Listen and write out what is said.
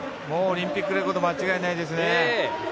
もうオリンピックレコード間違いないです。